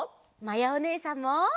まやおねえさんも。